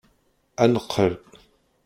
Ad neqqel!